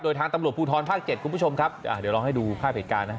โดยทางตำรวจภูทรภาค๗คุณผู้ชมครับอ่าเดี๋ยวลองให้ดูภาพเหตุการณ์นะ